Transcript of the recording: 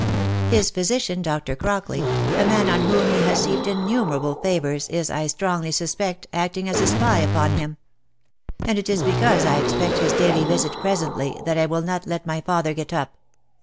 His physician, Dr. Crockley, a man on whom he has heaped innumerable favours, is, I strongly suspect, acting as a spy upon him ; and it is because I ex pect his daily visit presently, that I will not let my father get up.